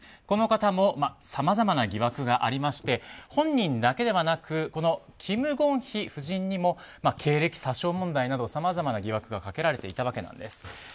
この方もさまざまな疑惑がありまして本人だけではなくキム・ゴンヒ夫人にも経歴詐称問題など、さまざまな疑惑がかけられていたわけです。